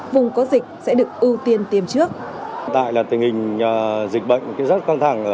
vùng có dịch sẽ được ưu tiên tiêm trước